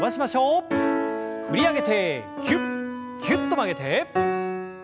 振り上げてぎゅっぎゅっと曲げて。